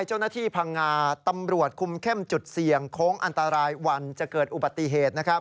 เจ้าหน้าที่พังงาตำรวจคุมเข้มจุดเสี่ยงโค้งอันตรายวันจะเกิดอุบัติเหตุ